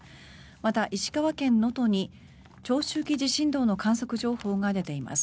また、石川県能登に長周期地震動の観測情報が出ています。